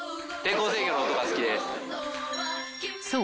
［そう。